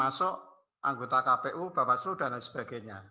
anggota kpu bapak selu dan lain sebagainya